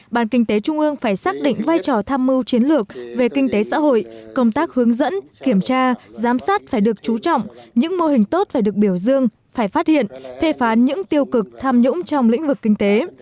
bàn kinh tế trung ương phải xác định vai trò tham mưu chiến lược về kinh tế xã hội công tác hướng dẫn kiểm tra giám sát phải được chú trọng những mô hình tốt phải được biểu dương phải phát hiện phê phán những tiêu cực tham nhũng trong lĩnh vực kinh tế